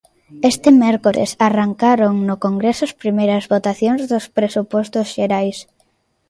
Este mércores arrancaron no Congreso as primeiras votacións dos Presupostos Xerais...